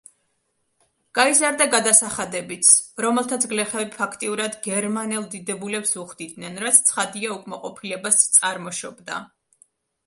გაიზარდა გადასახადებიც, რომელთაც გლეხები ფაქტიურად გერმანელ დიდებულებს უხდიდნენ, რაც ცხადია უკმაყოფილებას წარმოშობდა.